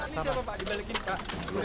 ini siapa pak dibalikin pak